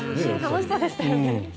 楽しそうでしたよね。